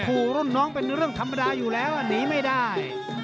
โอ้โหรุ่นน้องเป็นเรื่องธรรมดาอยู่แล้วหนีไม่ได้